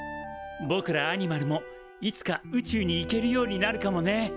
ぼくらアニマルもいつか宇宙に行けるようになるかもね。